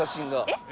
えっ！